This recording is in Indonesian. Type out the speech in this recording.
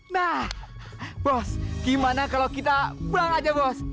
nah bos gimana kalau kita pulang aja bos